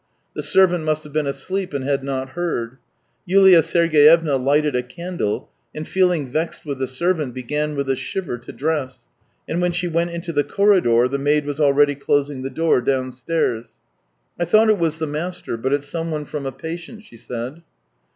The servant must have been asleep and had not heard. Yulia Sergeyevna lighted a candle, and feeling vexed with the servant, began with a shiver to dress, and when she went out into the corridor, the maid was already closing the door downstairs. THREE YEARS 205 " I thought it was the master, but it's someone from a patient," she said.